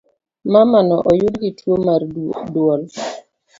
Mamano oyudgi tuo mar duol